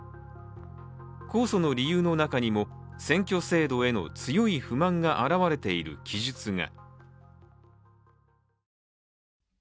控訴の理由の中にも選挙制度への強い不満が表れている記述が。